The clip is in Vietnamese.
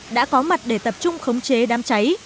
đã có mặt để tập trung khống chế đám cháy